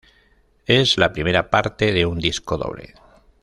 Es la primera parte de un disco doble.